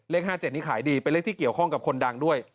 เลข๕๗นี้ขายดีเป็นเลขที่เกี่ยวข้องกับคนดังด้วย